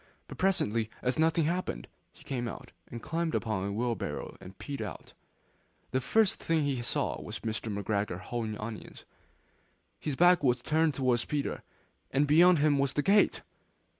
But presently, as nothing happened, he came out, and climbed upon a wheelbarrow and peeped over. The first thing he saw was Mr. McGregor hoeing onions. His back was turned towards Peter, and beyond him was the gate!